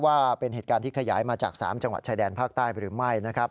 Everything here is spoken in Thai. ว่าเป็นเหตุการณ์ที่ขยายมาจาก๓จังหวัดชายแดนภาคใต้หรือไม่นะครับ